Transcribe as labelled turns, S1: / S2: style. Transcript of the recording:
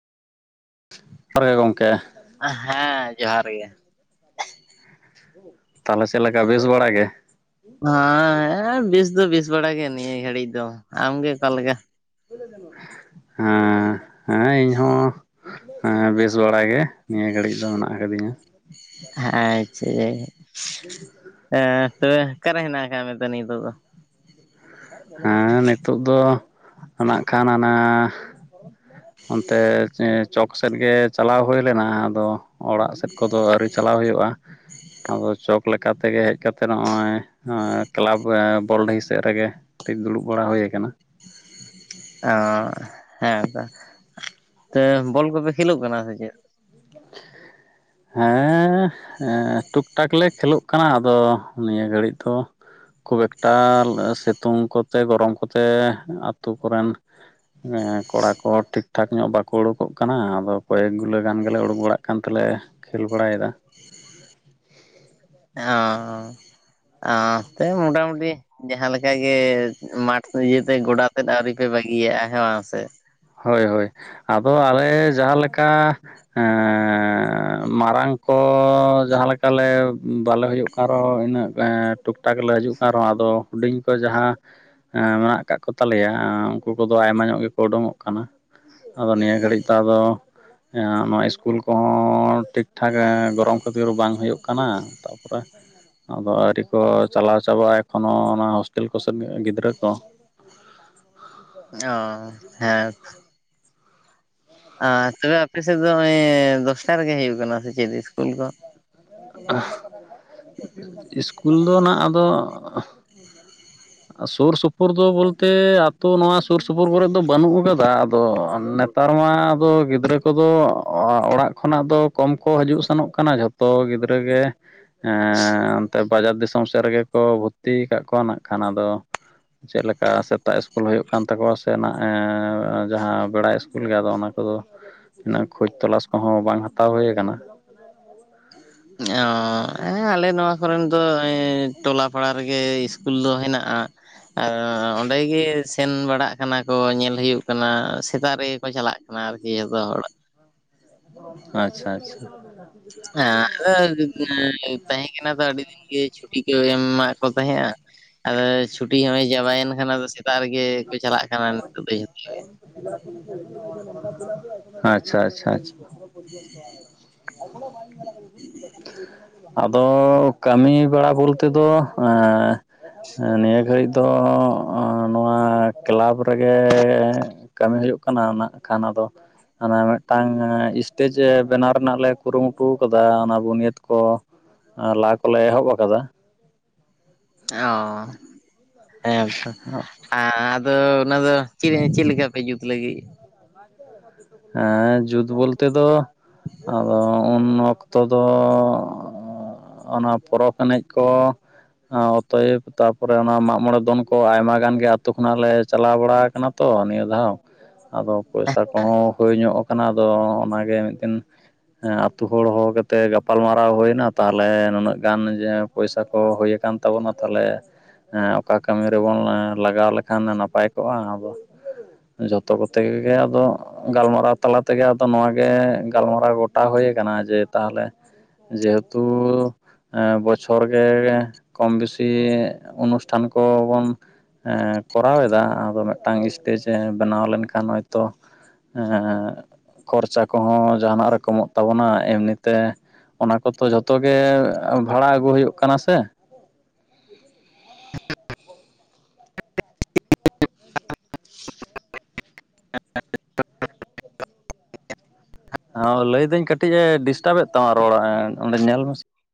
S1: ᱚᱠᱟᱨᱮ ᱜᱚᱝᱠᱮ
S2: ᱦᱮᱸ ᱡᱚᱦᱟᱨ ᱜᱮ,
S1: ᱛᱟᱦᱚᱞᱮ ᱪᱮᱫ ᱞᱮᱠᱟ ᱵᱮᱥ ᱵᱟᱲᱟ ᱜᱮ?
S2: ᱦᱮᱸᱻ ᱦᱮᱸᱻ ᱵᱮᱥ ᱫᱚ ᱵᱮᱥ ᱵᱟᱲᱟ ᱜᱮ ᱱᱤᱭᱟᱹ ᱜᱷᱟᱹᱲᱤᱡ ᱫᱚ᱾ ᱟᱢᱜᱮ ᱚᱠᱟᱞᱮᱠᱟ?
S1: ᱦᱮᱸ ᱦᱮᱸ ᱤᱧ ᱦᱚᱸ ᱦᱮᱸ ᱵᱮᱥ ᱵᱟᱲᱟ ᱜᱮ ᱱᱤᱭᱟᱹ ᱜᱷᱟᱹᱲᱤᱡ ᱫᱚ ᱢᱮᱱᱟᱜ ᱟᱠᱟᱫᱤᱧᱟ᱾
S2: ᱟᱹᱪᱷᱟ ᱛᱚᱵᱮ ᱚᱠᱟᱨᱮ ᱦᱮᱱᱟᱜ ᱟᱠᱟᱫ ᱢᱮ ᱱᱤᱛᱚᱜ ᱫᱚ?
S1: ᱦᱮᱸ ᱱᱤᱛᱚᱜ ᱫᱚ ᱱᱟᱜ ᱠᱷᱟᱱ ᱦᱟᱱᱟ ᱚᱱᱛᱮ ᱪᱚᱠ ᱥᱮᱫ ᱜᱮ ᱪᱟᱞᱟᱣ ᱦᱩᱭ ᱞᱮᱱᱟ ᱟᱫᱚ ᱚᱲᱟᱜ ᱥᱮᱫ ᱠᱚᱫᱚ ᱟᱹᱣᱨᱤ ᱪᱟᱞᱟᱣ ᱦᱩᱭᱩᱜᱼᱟ ᱟᱫᱚ ᱪᱚᱠ ᱞᱮᱠᱟ ᱛᱮᱜᱮ ᱦᱮᱡ ᱠᱟᱛᱮ ᱱᱚᱜᱼᱚᱭ ᱠᱮᱞᱟᱵᱽ ᱵᱚᱞᱰᱤᱦᱤ ᱥᱮᱫ ᱨᱮᱜᱮ ᱴᱤᱡ ᱫᱩᱲᱩᱵ ᱵᱟᱲᱟ ᱦᱩᱭ ᱠᱟᱱᱟ,
S2: ᱚᱸ ᱦᱮᱸᱛᱚ ᱛᱚ ᱵᱚᱞ ᱠᱚᱯᱮ ᱠᱷᱮᱞᱳᱜ ᱠᱟᱱᱟ ᱥᱮ ᱪᱮᱫ?
S1: ᱦᱮᱸᱻ ᱦᱮᱸ ᱴᱩᱠ ᱴᱟᱠ ᱞᱮ ᱠᱷᱮᱞᱳᱜ ᱠᱟᱱᱟ ᱟᱫᱚ ᱱᱤᱭᱟᱹ ᱜᱷᱟᱹᱲᱤᱡ ᱫᱚ ᱠᱷᱩᱵᱽ ᱮᱠᱴᱟ ᱥᱤᱛᱩᱝ ᱠᱚᱛᱮ ᱜᱚᱨᱚᱢ ᱠᱚᱛᱮ ᱟᱛᱳ ᱠᱚᱨᱮᱱ ᱦᱮᱸ ᱠᱚᱲᱟ ᱠᱚ ᱴᱷᱤᱠ ᱴᱷᱟᱠ ᱧᱚᱜ ᱵᱟᱠᱚ ᱩᱲᱩᱠᱚᱜ ᱠᱟᱱᱟ ᱟᱫᱚ ᱠᱚᱭᱮᱠ ᱜᱩᱞᱟᱹ ᱜᱟᱱ ᱜᱮᱞᱮ ᱩᱰᱩᱠ ᱵᱟᱲᱟᱜ ᱠᱟᱱ ᱛᱮᱞᱮ ᱠᱷᱮᱞ ᱵᱟᱲᱟᱭᱮᱫᱟ,
S2: ᱚᱸ ᱚᱸ ᱛᱟᱹᱣ ᱢᱚᱴᱟ ᱢᱩᱴᱤ ᱡᱟᱦᱟᱸ ᱞᱮᱠᱟ ᱜᱮ ᱢᱟᱴᱷ ᱤᱭᱟᱹ ᱛᱮᱜ ᱜᱚᱰᱟ ᱛᱮᱫ ᱟᱹᱣᱨᱤ ᱯᱮ ᱵᱟᱹᱜᱤᱭᱟᱜᱼᱟ ᱦᱮᱸ ᱵᱟᱝ ᱥᱮ
S1: ᱦᱳᱭ ᱦᱳᱭ ᱟᱫᱚ ᱟᱞᱮ ᱡᱟᱦᱟᱸᱞᱮᱠᱟ ᱦᱮᱸᱻ ᱢᱟᱨᱟᱝ ᱠᱚ ᱡᱟᱦᱟᱸᱞᱮᱠᱟ ᱞᱮ ᱵᱟᱞᱮ ᱦᱩᱭᱩᱜ ᱟᱨᱦᱚᱸ ᱤᱱᱟᱹᱜ ᱮᱸᱜ ᱴᱩᱠᱴᱟᱠ ᱞᱮ ᱦᱤᱡᱩᱜ ᱠᱟᱱ ᱨᱮᱦᱚᱸ ᱟᱫᱚ ᱦᱩᱰᱤᱧ ᱠᱚ ᱡᱟᱦᱟᱸ ᱮᱸ ᱢᱮᱱᱟᱜ ᱟᱠᱟᱜᱽ ᱠᱚ ᱛᱟᱞᱮᱭᱟ ᱩᱱᱠᱩ ᱠᱚᱫᱚ ᱟᱭᱢᱟ ᱧᱚᱜ ᱜᱮᱠᱚ ᱩᱰᱩᱝᱠ-ᱚᱜ ᱠᱟᱱᱟ, ᱟᱫᱚ ᱱᱤᱭᱟᱹ ᱜᱷᱟᱹᱲᱤᱡ ᱛᱚ ᱟᱫᱚ ᱮᱸ ᱱᱚᱣᱟ ᱤᱥᱠᱩᱞ ᱠᱚᱦᱚᱸ ᱴᱷᱤᱠ ᱴᱷᱟᱠ ᱜᱚᱨᱚᱢ ᱠᱷᱟᱹᱛᱤᱨ ᱵᱟᱝ ᱦᱩᱭᱩᱜ ᱠᱟᱱᱟ, ᱛᱟᱨᱯᱚᱨᱮ ᱟᱫᱚ ᱟᱹᱰᱤᱣᱨᱤ ᱠᱚ ᱪᱟᱞᱟᱣ ᱪᱟᱵᱟᱜᱼᱟ ᱮᱠᱷᱚᱱᱳ ᱚᱱᱟ ᱦᱳᱥᱴᱮᱞ ᱠᱚᱥᱮᱫ ᱜᱤᱫᱽᱨᱟᱹ ᱠᱚ᱾
S2: ᱚᱸ ᱦᱮᱸᱛ᱾ ᱟᱨ ᱛᱚᱵᱮ ᱟᱯᱮᱥᱮᱫ ᱫᱚ ᱚᱸᱭᱻ ᱫᱚᱥᱴᱟ ᱨᱮᱜᱮ ᱦᱩᱭᱩᱜᱭ ᱠᱟᱱᱟ ᱥᱮ ᱪᱮᱫ ᱤᱥᱠᱩᱞ ᱠᱚ?
S1: ᱤᱥᱠᱩᱞ ᱫᱚ ᱱᱟᱜ ᱟᱫᱚ ᱥᱩᱨ ᱥᱩᱯᱩᱨ ᱫᱚ ᱵᱚᱞᱛᱮ ᱟᱹᱛᱩ ᱱᱚᱣᱟ ᱥᱩᱨ ᱥᱩᱯᱩᱨ ᱠᱚᱨᱮᱫ ᱫᱚ ᱵᱟᱹᱱᱩᱜ ᱟᱠᱟᱫᱟ ᱟᱫᱚ ᱱᱮᱛᱟᱨ ᱢᱟ ᱟᱫᱚ ᱜᱤᱫᱽᱨᱟᱹ ᱠ ᱠᱚᱫᱚ ᱚ-ᱚᱲᱟᱜ ᱠᱷᱚᱱᱟᱜ ᱫᱚ ᱠᱚᱢ ᱠᱚ ᱦᱤᱡᱩᱜ ᱥᱮᱱᱚᱜ ᱠᱟᱱᱟ ᱡᱷᱚᱛᱚ ᱜᱤᱫᱽᱨᱟᱹ ᱜᱮ ᱦᱮᱸᱻ ᱚᱱᱛᱮ ᱵᱟᱡᱟᱨ ᱫᱤᱥᱚᱢ ᱥᱮᱫ ᱨᱮᱜᱮ ᱠᱚ ᱵᱷᱚᱨᱛᱤᱣ ᱠᱟᱜ ᱠᱚᱣᱟ ᱱᱟᱜ ᱠᱷᱟᱱ ᱟᱫᱚ ᱪᱮᱫ ᱞᱮᱠᱟ ᱥᱮᱛᱟᱜ ᱤᱥᱠᱩᱞ ᱦᱩᱭᱩᱜ ᱠᱟᱱ ᱛᱟᱠᱚᱣᱟ ᱥᱮ ᱡᱟᱦᱟᱸ ᱵᱮᱲᱟ ᱤᱥᱠᱩᱞ ᱜᱮ ᱟᱫᱚ ᱚᱱᱟ ᱠᱚᱫᱚ ᱤᱱᱟᱹᱜ ᱠᱷᱳᱡᱽ ᱛᱚᱞᱟᱥ ᱠᱚᱦᱚᱸ ᱵᱟᱝ ᱦᱟᱛᱟᱣ ᱦᱩᱭ ᱟᱠᱟᱱᱟ᱾ [inaudible]
S2: ᱚᱻ ᱦᱮᱸ ᱟᱞᱮ ᱱᱚᱣᱟ ᱠᱚᱨᱮᱱ ᱫᱚ ᱮᱸ ᱴᱚᱞᱟ ᱯᱟᱲᱟ ᱨᱮᱜᱮ ᱤᱥᱠᱩᱞ ᱫᱚ ᱦᱮᱱᱟᱜᱼᱟ ᱦᱟᱸᱜ᱾ ᱟᱻ ᱚᱸᱰᱮ ᱜᱮᱤ ᱥᱮᱱ ᱵᱟᱲᱟᱜ ᱠᱟᱱᱟ ᱠᱚ ᱧᱮᱞ ᱦᱩᱭᱩᱜ ᱠᱟᱱᱟ ᱥᱮᱛᱟᱜ ᱨᱮᱜᱮ ᱠᱚ ᱪᱟᱞᱟᱜ ᱟᱢᱮ ᱟᱟᱨᱠᱤ ᱫᱚ ᱚᱲ᱾
S1: ᱟᱪᱷᱟ ᱟᱪᱪᱷᱟ᱾
S2: ᱦᱮᱸ ᱟᱫᱚ ᱟᱹᱰᱤ ᱫᱤᱱ ᱛᱟᱦᱮᱸ ᱠᱟᱱᱟ ᱛᱚ ᱟᱹᱰᱤ ᱫᱤᱱ ᱜᱮ ᱪᱷᱚ ᱪᱷᱩᱴᱤ ᱠᱚ ᱮᱢ ᱢᱟᱫ ᱠᱚ ᱛᱟᱦᱮᱸᱜᱼᱟ, ᱟᱫᱚᱟᱫᱚ ᱪᱷᱩᱴᱤ ᱦᱚᱸ-ᱚᱭ ᱪᱟᱵᱟᱭᱮᱱ ᱠᱷᱟᱱ ᱟᱫᱚ- ᱛᱟᱜ ᱨᱮᱜᱮ ᱠᱚ ᱪᱟᱞᱟᱜ ᱠᱟᱱᱟ ᱱᱤᱛᱚᱜ ᱫᱚ ᱡᱷᱚᱛᱚ ᱜᱮ᱾
S1: [inaudible] ᱟᱪᱪᱷᱟ ᱟᱪᱪᱷᱟ ᱟᱪᱪᱷᱟ᱾ [inaudible] ᱟᱫᱚ ᱠᱟᱹᱢᱤ ᱵᱟᱲᱟ ᱵᱚᱞᱛᱮ ᱫᱚ ᱮᱸ ᱱᱤᱭᱟᱹ ᱜᱷᱟᱹᱲᱤᱡ ᱫᱚ ᱚ ᱚ ᱱᱚᱣᱟ ᱟᱸ ᱠᱮᱞᱟᱵᱽ ᱨᱮᱜᱮ ᱠᱟᱹᱢᱤ ᱦᱩᱭᱩᱜ ᱠᱟᱱᱟ ᱱᱟᱜ ᱠᱷᱟᱱ ᱟᱫᱚ ᱦᱟᱱᱟ ᱢᱤᱫᱴᱟᱝ ᱤᱥᱴᱮᱡ ᱵᱮᱱᱟᱣ ᱨᱮᱱᱟᱜ ᱞᱮ ᱠᱩᱨᱩᱢᱩᱴᱩᱣ ᱟᱠᱟᱫᱟ ᱚᱱᱟ ᱵᱩᱱᱭᱟᱹᱫ ᱠᱚ ᱟ ᱞᱟ ᱠᱚᱞᱮ ᱮᱦᱚᱵ ᱟᱠᱟᱫᱟ᱾
S2: ᱚ ᱦᱮᱸ ᱛᱚ᱾
S1: [inaudible]
S2: ᱟᱫᱚ ᱚᱱᱟ ᱫᱚ ᱠᱤᱡᱟᱱᱤ ᱪᱮᱫ ᱞᱮᱠᱟ ᱯᱮ ᱡᱩᱛ ᱞᱟᱹᱜᱤᱫ?
S1: ᱮᱸ ᱡᱩᱛ ᱵᱚᱞᱛᱮ ᱫᱚ ᱟᱫᱚ ᱩᱱ ᱚᱠᱛᱚ ᱫᱚ ᱚᱱᱟ ᱯᱚᱨᱚᱵᱽ ᱮᱱᱮᱡ ᱠᱚ ᱟ ᱚᱛᱚᱭᱮᱵ ᱛᱟᱯᱚᱨᱮ ᱚᱱᱟ ᱢᱟᱜ ᱢᱚᱬᱮ ᱫᱚᱱ ᱠᱚ ᱟᱭᱢᱟ ᱜᱟᱱ ᱜᱮ ᱟᱛᱳ ᱠᱷᱚᱱᱟᱜ ᱞᱮ ᱪᱟᱞᱟᱣ ᱵᱟᱲᱟᱣ ᱟᱠᱟᱱᱟ᱾ ᱛᱚ ᱱᱤᱭᱟᱹ ᱫᱷᱟᱣ᱾ ᱟᱫᱚ ᱯᱚᱭᱥᱟ ᱠᱚᱦᱚᱸ ᱦᱳᱭ ᱧᱚᱜ ᱠᱟᱱᱟ ᱟᱫᱚ ᱚᱱᱟᱜᱮ ᱢᱤᱫ ᱫᱤᱱ ᱦᱮᱸ ᱟᱛᱩ ᱦᱚᱲ ᱦᱚᱦᱚ ᱠᱟᱛᱮᱫ ᱜᱟᱯᱟᱞᱢᱟᱨᱟᱣ ᱦᱩᱭᱱᱟ ᱛᱟᱦᱚᱞᱮ ᱱᱩᱱᱟᱹᱜ ᱜᱟᱱ ᱡᱮ ᱯᱚᱭᱥᱟ ᱠᱚ ᱦᱩᱭ ᱟᱠᱟᱱ ᱛᱟᱵᱚᱱᱟ ᱛᱟᱞᱦᱮ ᱮᱸ ᱚᱠᱟ ᱠᱟᱹᱢᱤ ᱨᱮᱵᱚᱱ ᱞᱟᱜᱟᱣ ᱞᱮᱠᱷᱟᱱ ᱫᱚ ᱱᱟᱯᱟᱭ ᱠᱚᱜᱼᱟ᱾ ᱟᱫᱚ ᱡᱷᱚᱛᱚ ᱠᱚᱛᱮ ᱠᱚᱜᱮ ᱟᱫᱚ ᱜᱟᱞᱢᱟᱨᱟᱣ ᱛᱟᱞᱟ ᱛᱮᱜᱮ ᱟᱫᱚ ᱱᱚᱣᱟ ᱜᱮ ᱜᱟᱞᱢᱟᱨᱟᱣ ᱜᱚᱴᱟ ᱦᱩᱭᱩ ᱟᱠᱟᱱᱟ ᱡᱮ ᱛᱟᱦᱚᱞᱮ ᱡᱮᱦᱮᱛᱩ ᱮᱸ ᱵᱚᱪᱷᱚᱨ ᱜᱮ ᱠᱚᱢ ᱵᱮᱥᱤ ᱚᱱᱩᱥᱴᱷᱟᱱ ᱠᱚ ᱵᱚᱱ ᱮᱸ ᱠᱚᱨᱟᱣ ᱮᱫᱟ ᱟᱫᱚ ᱢᱤᱫᱴᱟᱝ ᱥᱴᱮᱡ ᱮ ᱵᱮᱱᱟᱣ ᱞᱮᱱᱠᱷᱟᱱ ᱦᱚᱭᱛᱚ ᱦᱮ ᱠᱷᱚᱨᱪᱟ ᱠᱚᱦᱚᱸ ᱡᱟᱦᱟᱱᱟᱜ ᱨᱮ ᱠᱚᱢᱚᱜ ᱛᱟᱵᱚᱱᱟ ᱮᱢᱱᱤᱛᱮ ᱚᱱᱟ ᱠᱚᱛᱚ ᱡᱚᱛᱚ ᱜᱮ ᱵᱷᱟᱲᱟ ᱟᱹᱜᱩ ᱦᱩᱭᱩᱜ ᱠᱟᱱᱟ ᱥᱮ ᱾
S2: [unintelligible]
S1: ᱦᱮ ᱞᱟᱹᱭᱫᱟᱹᱧ ᱠᱟᱹᱴᱤᱡ ᱮ ᱰᱤᱥᱴᱟᱵᱮᱫ ᱛᱟᱢᱟ ᱨᱚᱲ ᱚᱸᱰᱮ ᱧᱮᱞ ᱢᱮᱥᱮ ᱾